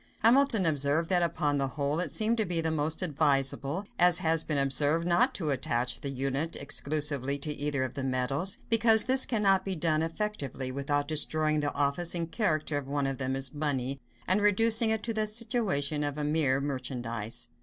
Hamilton observed that "upon the whole, it seems to be most advisable, as has been observed, not to attach the unit exclusively to either of the metals; because this cannot be done effectually, without destroying the office and character of one of them as money, and reducing it to the situation of a mere merchandise."